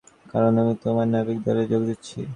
কারণ আমি তোমার নাবিক দলে যোগ দিচ্ছি।